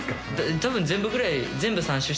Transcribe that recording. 多分全部ぐらい。